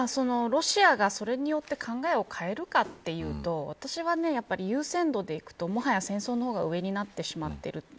ロシアが、それによって考えを変えるかというと私は、優先度でいくともはや戦争の方が上になってしまっている。